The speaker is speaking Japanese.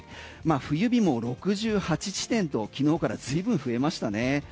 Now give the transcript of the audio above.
冬日も６８地点と昨日からずいぶん増えましたね。